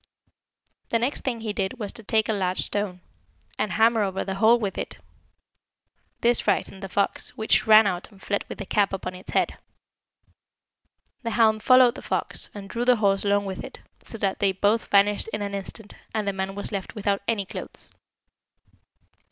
The next thing he did was to take a large stone, and hammer over the hole with it; this frightened the fox, which ran out and fled with the cap upon its head. The hound followed the fox, and drew the horse along with it, so that they both vanished in an instant, and the man was left without any clothes.